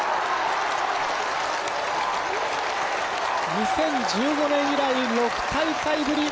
２０１５年以来６大会ぶり